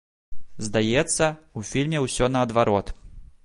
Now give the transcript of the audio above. Здаецца, у фільме ўсё наадварот.